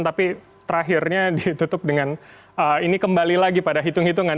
tapi terakhirnya ditutup dengan ini kembali lagi pada hitung hitungan